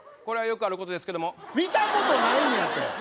これはよくあることですけど見たことないんやて！